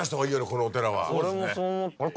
このお寺は。